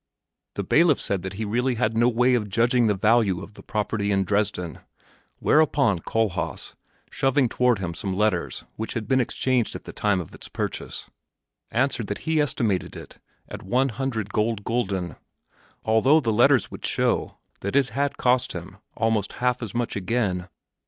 The bailiff said that he really had no way of judging the value of the property in Dresden; whereupon Kohlhaas, shoving toward him some letters which had been exchanged at the time of its purchase, answered that he estimated it at one hundred gold gulden, although the letters would show that it had cost him almost half as much again.